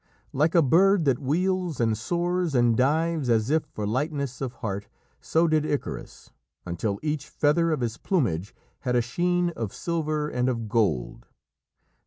Like a bird that wheels and soars and dives as if for lightness of heart, so did Icarus, until each feather of his plumage had a sheen of silver and of gold.